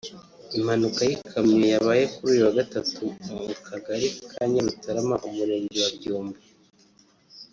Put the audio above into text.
Impanuka y’ikamyo yabaye kuri uyu wa Gatatu mu Kagali ka Nyarutarama Umurenge wa Byumba